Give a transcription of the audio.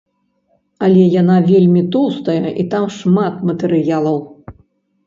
Але яна вельмі тоўстая і там шмат матэрыялаў.